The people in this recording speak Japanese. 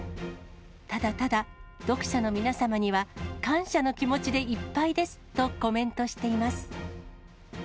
ただただ読者の皆様には、感謝の気持ちでいっぱいですとコメントしています。